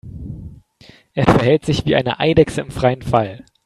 Er verhält sich wie eine Eidechse im freien Fall.